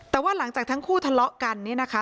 แต่ว่าหลังจากทั้งคู่ทะเลาะกันเนี่ยนะคะ